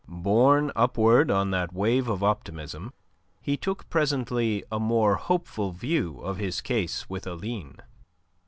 Borne upward on that wave of optimism, he took presently a more hopeful view of his case with Aline.